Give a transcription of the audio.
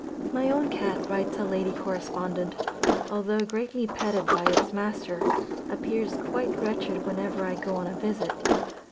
"My own cat," writes a lady correspondent, "although greatly petted by its master, appears quite wretched whenever I go on a visit.